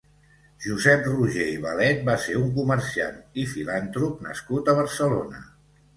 Josep Roger i Balet va ser un comerciant i filàntrop nascut a Barcelona.